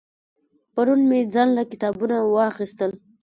پرون مې ځان له کتابونه واغستل